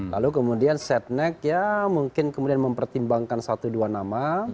lalu kemudian setnek ya mungkin kemudian mempertimbangkan satu dua nama